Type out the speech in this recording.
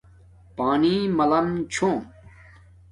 پانی مالم چھوم